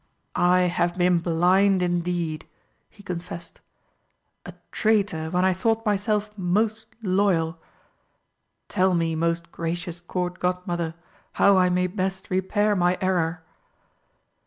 "I have been blind indeed!" he confessed. "A traitor when I thought myself most loyal! Tell me, most Gracious Court Godmother, how I may best repair my error?"